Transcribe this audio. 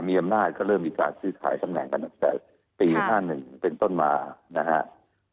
มีอำนาจก็เริ่มมีการซื้อขายตำแหน่งกันตั้งแต่ปี๕๑เป็นต้นมานะครับ